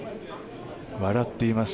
笑っています。